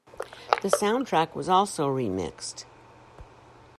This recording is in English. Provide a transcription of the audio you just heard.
The soundtrack was also remixed.